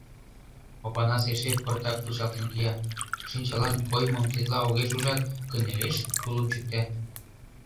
Опанас эше пыртак вучалтен кия, шинчалан коймым тетла огеш ужат, кынелеш, тулым чӱкта.